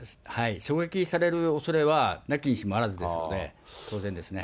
狙撃されるおそれはなきにしもあらずですので、当然ですね。